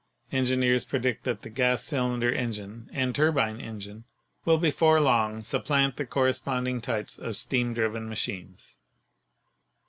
Engi neers predict that the gas cylinder engine and turbine en gine will before long supplant the corresponding types of steam driven machines.